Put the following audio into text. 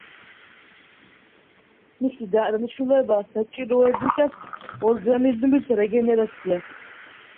მისი დანიშნულებაა საჭიროებისას ორგანიზმის რეგენერაცია.